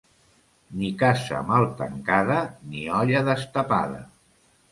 Ni casa mal tancada, ni olla destapada.